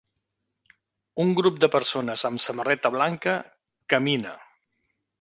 Un grup de persones amb samarreta blanca camina.